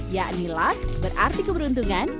yakni luck berarti keberuntungan